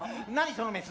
そのメス。